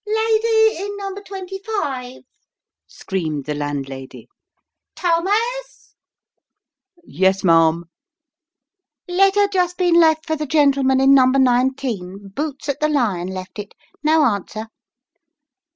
" Lady in number twenty five," screamed the landlady. " Thomas !" "Yes, ma'am." ..." Letter just been left for the gentleman in number nineteen. Boots at the Lion left it. No answer."